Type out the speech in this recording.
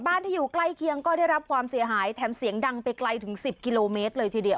ที่อยู่ใกล้เคียงก็ได้รับความเสียหายแถมเสียงดังไปไกลถึง๑๐กิโลเมตรเลยทีเดียว